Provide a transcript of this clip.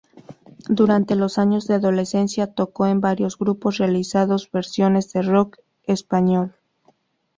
Durante los años de adolescencia tocó en varios grupos realizando versiones de rock español.